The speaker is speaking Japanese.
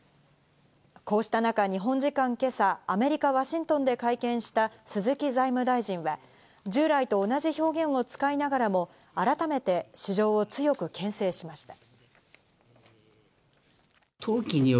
こうした中、日本時間今朝、アメリカ・ワシントンで会見した鈴木財務大臣は従来と同じ表現を使いながらも改めて市場を強くけん制しました。